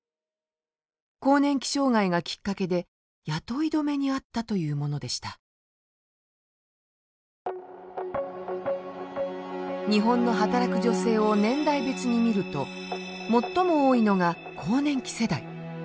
更年期障害がきっかけで雇い止めにあったというものでした日本の働く女性を年代別に見ると最も多いのが更年期世代。